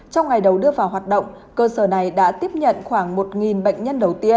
trong ngày đầu đưa vào hoạt động cơ sở này đã tiếp nhận khoảng một bệnh nhân đầu tiên